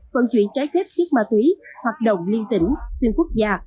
vận chuyển trái phép chất ma túy hoạt động liên tỉnh xuyên quốc gia